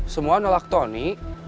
semua nolak tony